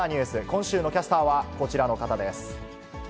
今週のキャスターはこちらの方です。